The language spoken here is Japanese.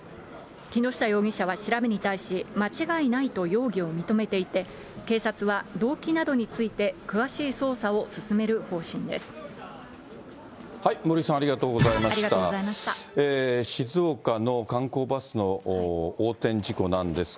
木下容疑者は調べに対し、間違いないと容疑を認めていて、警察は動機などについて詳しい捜査を進める方針です。